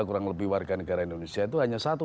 kurang lebih warga negara indonesia itu hanya satu